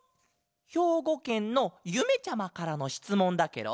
ひょうごけんのゆめちゃまからのしつもんだケロ。